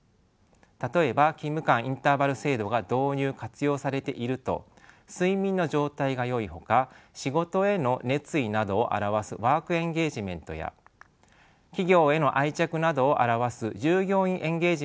例えば勤務間インターバル制度が導入・活用されていると睡眠の状態がよいほか仕事への熱意などを表すワークエンゲージメントや企業への愛着などを表す従業員エンゲージメントもよくなっています。